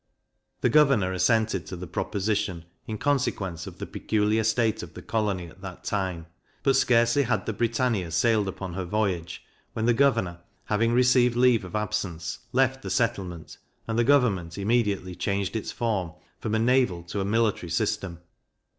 The governor assented to the proposition, in consequence of the peculiar state of the colony at that time; but scarcely had the Britannia sailed upon her voyage, when the governor, having received leave of absence, left the settlement, and the government immediately changed its form, from a naval to a military system.